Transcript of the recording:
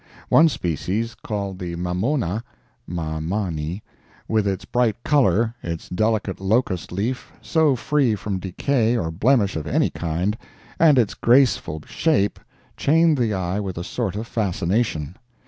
One species, called the mamona [mamani], with its bright color, its delicate locust leaf, so free from decay or blemish of any kind, and its graceful shape, chained the eye with a sort of fascination.